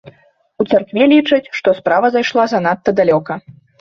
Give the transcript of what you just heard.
У царкве лічаць, што справа зайшла занадта далёка.